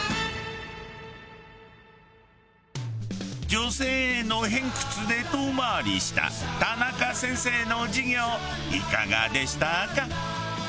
女性への偏屈で遠回りした田中先生の授業いかがでしたか？